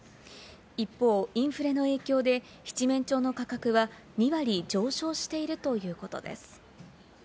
一方、インフレの影響で七面鳥の価格は２割上昇しているということです。